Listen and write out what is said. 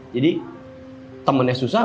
jadi temennya susah